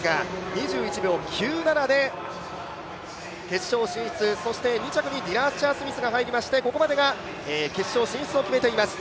２１秒９７で決勝進出、そして２着にディナ・アッシャー・スミスが入りましてここまでが決勝進出を決めています。